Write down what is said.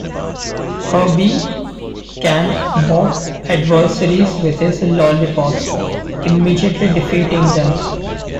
Herbie can "bop" adversaries with his lollipops, immediately defeating them.